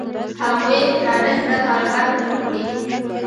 هغوی په ډاډه زړه کاروبار پر مخ وړي.